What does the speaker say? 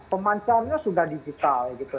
pemancarnya sudah digital